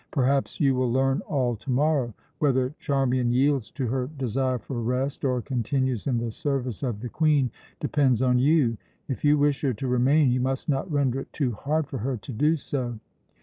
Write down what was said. "Perhaps you will learn all to morrow. Whether Charmian yields to her desire for rest, or continues in the service of the Queen, depends on you. If you wish her to remain you must not render it too hard for her to do so.